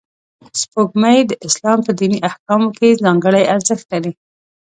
سپوږمۍ د اسلام په دیني احکامو کې ځانګړی ارزښت لري